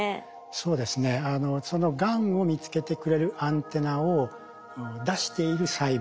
そのがんを見つけてくれるアンテナを出している細胞